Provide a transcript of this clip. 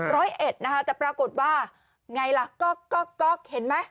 ร้อยเอ็ดนะคะแต่ปรากฏว่าไงล่ะก็ก๊อกเห็นไหม